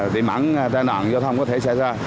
để mắng giai đoạn giao thông có thể xảy ra